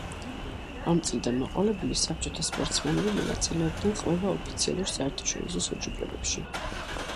ამ წლიდან მოყოლებული საბჭოთა სპორტსმენები მონაწილეობდნენ ყველა ოფიციალურ საერთაშორისო შეჯიბრებებში.